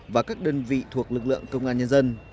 và các đơn vị thuộc lực lượng công an nhân dân